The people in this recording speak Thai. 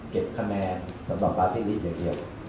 เก็บคะแนนสำหรับพระพิษฐีเศรี่ยงเกียบ